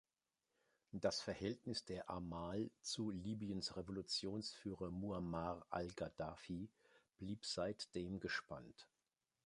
Das Verhältnis der Amal zu Libyens Revolutionsführer Muammar al-Gaddafi blieb seitdem gespannt.